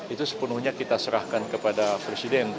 itu sepenuhnya kita serahkan